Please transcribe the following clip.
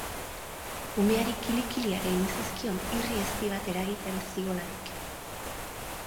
Umeari kili-kiliak egin zizkion, irri ezti bat egiten ziolarik.